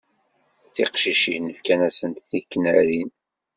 Tiqcicin fkan-asent tiknarin.